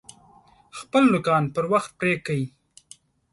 خپل نوکان پر وخت پرې کئ!